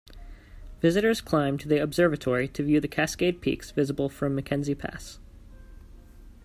Visitors climb to the observatory to view the Cascade peaks visible from McKenzie Pass.